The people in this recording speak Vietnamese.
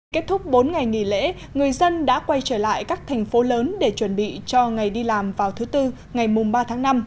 kết thúc bốn ngày nghỉ lễ người dân đã quay trở lại các thành phố lớn để chuẩn bị cho ngày đi làm vào thứ tư ngày mùng ba tháng năm